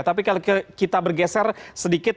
tapi kalau kita bergeser sedikit